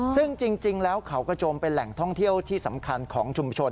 ซึ่งจริงแล้วเขากระโจมเป็นแหล่งท่องเที่ยวที่สำคัญของชุมชน